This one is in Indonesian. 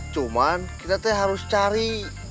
cuman kita tuh harus cari